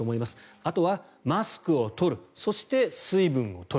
あとはマスクを取るそして水分を取る